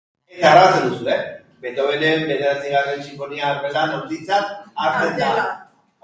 Beethovenen bederatzigarren sinfonia artelan handitzat hartzen da.